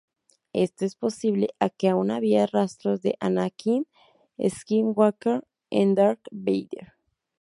Esto es posible a que aún había rastros de Anakin Skywalker en Darth Vader.